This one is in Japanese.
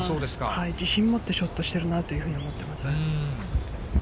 自信持ってショットしてるなと思っています。